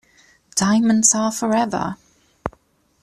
Diamonds are forever.